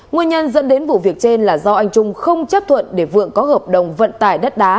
nguyên nhân dẫn đến vụ việc trên là do anh trung không chấp thuận để vượng có hợp đồng vận tải đất đá